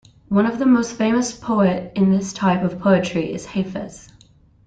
One of the most famous poet in this type of poetry is Hafez.